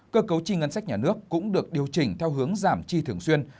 cơ cấu chi ngân sách nhà nước cũng được điều chỉnh theo hướng giảm chi thường xuyên